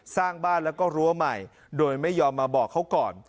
สร้างบ้านแล้วก็รั้วใหม่โดยไม่ยอมมาบอกเขาก่อน